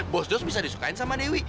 bos bos bisa disukain sama dewi